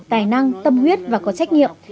tài năng tâm huyết và có trách nhiệm